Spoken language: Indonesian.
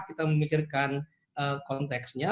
kita memikirkan konteksnya